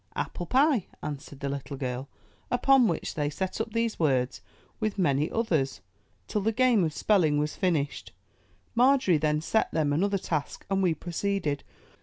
'* ''Apple pie," answered the little girl; upon which they set up these words with many others, till the game of spelling was finished. Margery then set them an other task, and we proceeded.